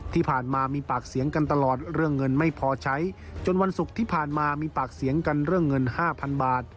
ที่ผ่านมามีปากเสียงกันตลอดเรื่องเงินไม่พอใช้จนวันศุกร์ที่ผ่านมามีปากเสียงกันเรื่องเงินห้าพันบาท